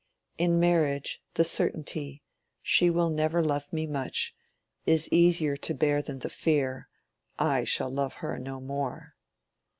In marriage, the certainty, "She will never love me much," is easier to bear than the fear, "I shall love her no more."